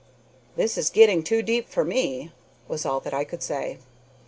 "This is getting too deep for me," was all that I could say.